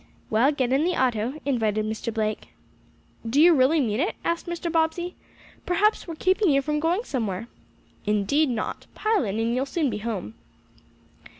"Well, get in the auto," invited Mr. Blake. "Do you really mean it?" asked Mr. Bobbsey. "Perhaps we are keeping you from going somewhere." "Indeed not. Pile in, and you'll soon be home."